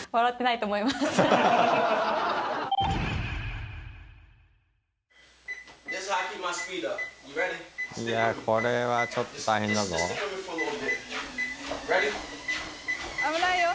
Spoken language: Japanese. いや、これはちょっと大変だ危ないよ。